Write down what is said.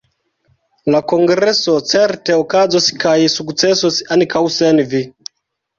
La kongreso certe okazos kaj sukcesos ankaŭ sen Vi.